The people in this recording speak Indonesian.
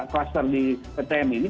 klaster di ptm ini